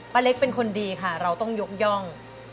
เล็กเป็นคนดีค่ะเราต้องยกย่อง